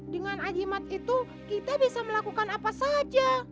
dengan ajimat itu kita bisa melakukan apa saja